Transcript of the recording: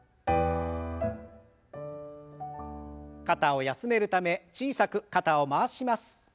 肩を休めるため小さく肩を回します。